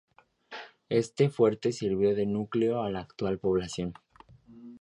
Este fuerte sirvió de núcleo a la actual población.